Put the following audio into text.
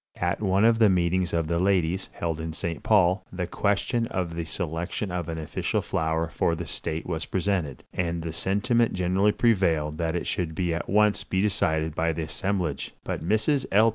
At one of the meetings of the ladies, held in St. Paul, the question of the selection of an official flower for the state was presented, and the sentiment generally prevailed that it should at once be decided by the assemblage; but Mrs. L.